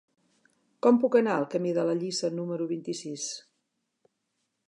Com puc anar al camí de la Lliça número vint-i-sis?